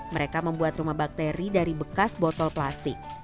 mereka membuat rumah bakteri dari bekas botol plastik